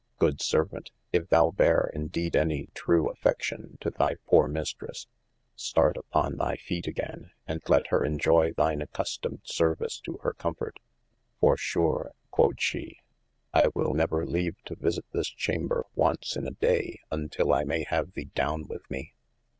Good servaunte, if thou beare in deed any true affection to thy poore Mistres, start upon thy feet again, and let hir enjoye thine accustomed service to hir cofort, for sure (quod she) I will never leave to visite this chamber once in a daye, untill I may have thee downe with DD 2 419 THE ADVENTURES mee.